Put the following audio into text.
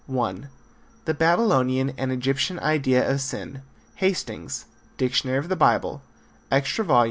(1) The Babylonian and Egyptian Idea of Sin. Hastings, Dictionary of the Bible, extra vol.